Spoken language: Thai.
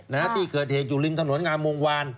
นะฮะที่เกิดเหตุอยู่ริมถนนงามวงวาน